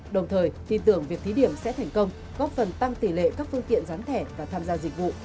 đồng thời tin tưởng việc thí điểm sẽ thành công góp phần tăng tỷ lệ các phương tiện gián thẻ và tham gia dịch vụ